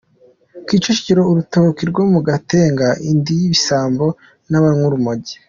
Kicukiro Urutoki rwo mu Gatenga indiri y’ibisambo n’abanywa urumogi